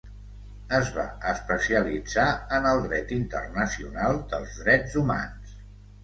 Es va especialitzar en el Dret Internacional dels Drets Humans.